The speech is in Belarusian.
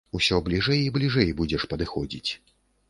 Усё бліжэй і бліжэй будзеш падыходзіць.